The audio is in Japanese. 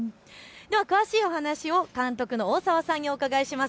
詳しいお話を監督の大澤さんにお伺いします。